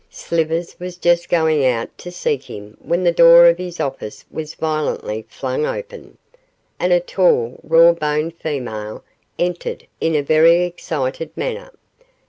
Slivers was just going out to seek him when the door of his office was violently flung open, and a tall, raw boned female entered in a very excited manner.